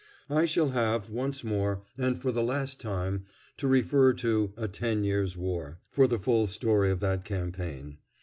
I shall have once more, and for the last time, to refer to "A Ten Years' War" for the full story of that campaign.